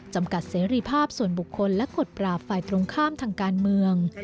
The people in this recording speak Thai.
จำกัดเสรีภาพส่วนบุคคลและกฎปราบฝ่ายตรงข้ามทางการเมือง